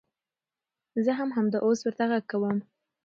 زه ځم همدا اوس ورته غږ کوم .